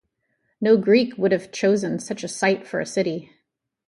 No Greek would have chosen such a site for a city.